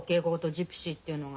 ジプシーっていうのが。